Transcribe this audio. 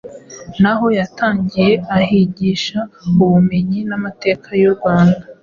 Naho yatangiye ahigisha Ubumenyi n’Amateka y’u Rwanda.